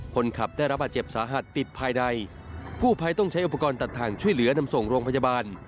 คนขับได้รับบาดเจ็บสาหัสติดภายในผู้ภัยต้องใช้อุปกรณ์ตัดทางช่วยเหลือนำส่งโรงพยาบาล